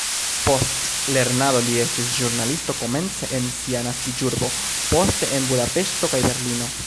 Post lernado li estis ĵurnalisto komence en sia naskiĝurbo, poste en Budapeŝto kaj Berlino.